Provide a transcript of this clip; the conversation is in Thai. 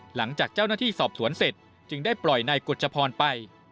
หลังจากเจ้าหน้าที่สอบสวนเสร็จจึงได้ปล่อยนายกฎจพรไป